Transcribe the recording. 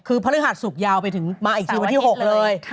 คือภรรยาศสูบยาวมาอีกทีถึงที่๖เลย